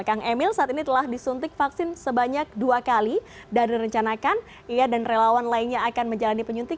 kang emil saat ini telah disuntik vaksin sebanyak dua kali dan direncanakan ia dan relawan lainnya akan menjalani penyuntikan